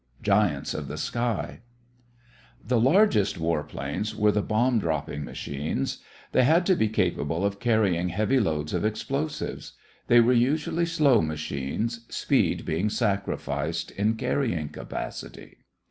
GIANTS OF THE SKY The largest war planes were the bomb dropping machines. They had to be capable of carrying heavy loads of explosives. They were usually slow machines, speed being sacrificed in carrying capacity.